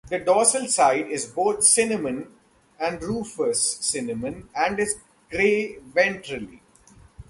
The dorsal side is both cinnamon and rufous-cinnamon, and is grey ventrally.